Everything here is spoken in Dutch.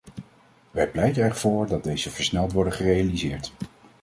Wij pleiten ervoor dat deze versneld worden gerealiseerd.